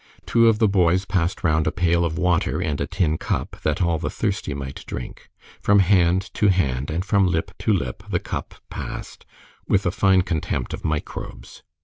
Two of the boys passed round a pail of water and a tin cup, that all the thirsty might drink. From hand to hand, and from lip to lip the cup passed, with a fine contempt of microbes.